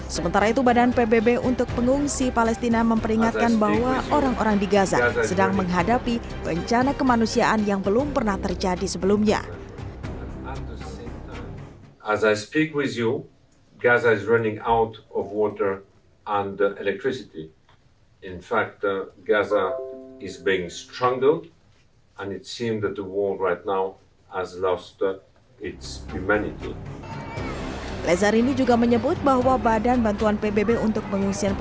sementara itu badan pbb untuk pengungsi palestina memperingatkan bahwa orang orang yang diperlukan untuk menemukan pembunuh di kota ini tidak akan diperlukan